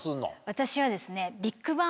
私はですね。